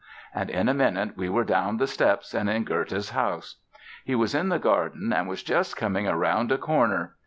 and in a minute we were down the steps and in Goethe's house. He was in the garden and was just coming around a corner.